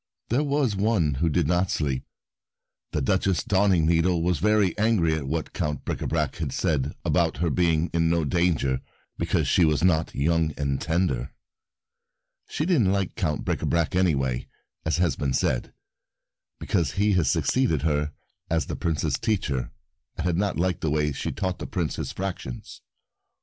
There was one who did not sleep. The Duchess Darn ingneedle was very angry at what Count Bricabrac had said One Wakeful 54 The Prince Hopping Mad about her being in no danger because she was " not young and tender." She didn't like Count Bricabrac any way, as has been said, because he had succeeded her as the Prince's teacher and had not liked the way she had taught the Prince his fractions.